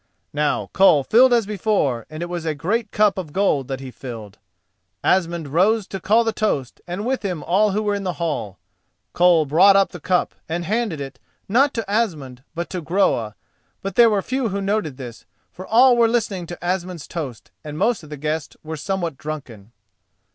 Now Koll filled as before, and it was a great cup of gold that he filled. Asmund rose to call the toast, and with him all who were in the hall. Koll brought up the cup, and handed it, not to Asmund, but to Groa; but there were few who noted this, for all were listening to Asmund's toast and most of the guests were somewhat drunken.